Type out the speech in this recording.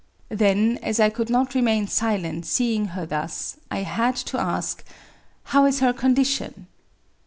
Then, as I could not remain silent, see ing her thus, I had to ask, ^^How is her condition?''